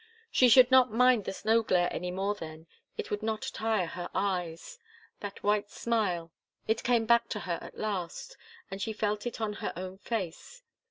She should not mind the snow glare any more then. It would not tire her eyes. That white smile it came back to her at last, and she felt it on her own face.